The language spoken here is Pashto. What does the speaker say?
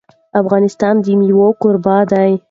افغانستان د مېوې کوربه دی.